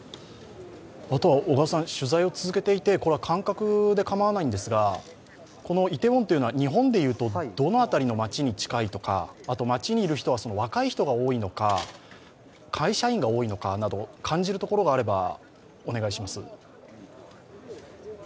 取材を続けていて、感覚で構わないんですが、イテウォンというのは日本でいうとどのような街に近いのか若い人が多いのか、会社員が多いのかなど感じるところがあれば、お願いします。